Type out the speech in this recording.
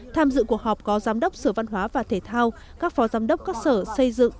tham dự cuộc họp có giám đốc sở văn hóa và thể thao các phó giám đốc các sở xây dựng